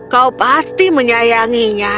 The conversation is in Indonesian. kau pasti menyayanginya